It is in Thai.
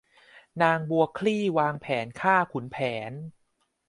นางบัวคลี่วางแผนฆ่าขุนแผน